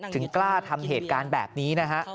ถึงกล้าทำเหตุการณ์แบบนี้นะฮะ